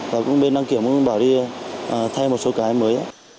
và bên đăng kiểm cũng bảo đi thay một số cái mới